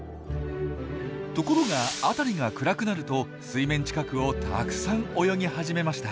ところが辺りが暗くなると水面近くをたくさん泳ぎ始めました。